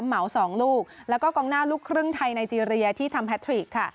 เหมาสองลูกแล้วก็กองหน้าลูกครึ่งไทยไนเจรียที่ทำแพทริกค่ะ